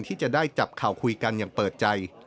ที่จะได้จับข่าวคุยกันอย่างเปิดใจ